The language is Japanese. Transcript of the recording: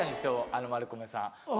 あのマルコメさん。